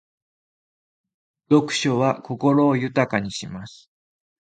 読書は心を豊かにします。